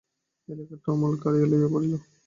এই লেখাটা অমল কাড়িয়া লইয়া পড়িল।